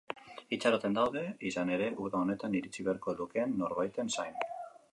Itxaroten daude, izan ere, uda honetan iritsi beharko lukeen norbaiten zain.